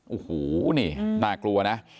โอ้โหนี่น่ากลัวนะ